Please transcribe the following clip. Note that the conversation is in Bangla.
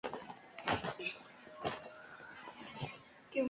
অথচ কাল প্যারিসে একটা ম্যাচের আগে দুজন যেন সবকিছু ভুলে গেলেন।